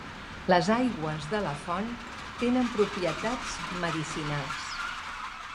Les aigües de la font tenen propietats medicinals.